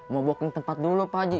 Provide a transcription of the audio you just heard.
mau booking tempat dulu pak haji